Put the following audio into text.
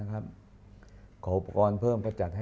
อเรนนี่แหละอเรนนี่แหละ